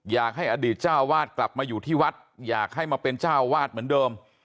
อยากให้อดีตเจ้าวาดกลับมาอยู่ที่วัดอยากให้มาเป็นเจ้าวาดเหมือนเดิม